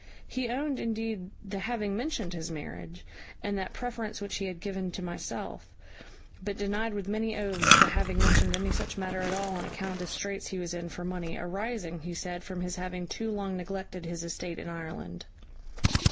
He owned, indeed, the having mentioned his marriage, and that preference which he had given to myself, but denied with many oaths the having mentioned any such matter at all on account of the straits he was in for money, arising, he said, from his having too long neglected his estate in Ireland.